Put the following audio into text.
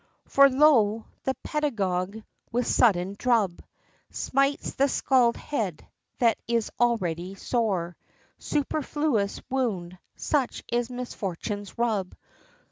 XIX. For lo! the Pedagogue, with sudden drub, Smites his scald head, that is already sore, Superfluous wound, such is Misfortune's rub!